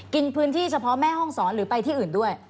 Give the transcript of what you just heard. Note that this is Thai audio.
กินพื้นที่เฉพาะแม่ห้องศรหรือไปที่อื่นด้วย